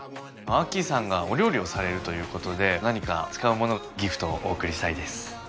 アッキーさんがお料理をされるということで何か使うものをギフトお贈りしたいです。